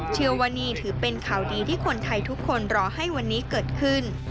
เชื่อว่านี่ถือเป็นข่าวดีที่คนไทยทุกคนรอให้วันนี้เกิดขึ้น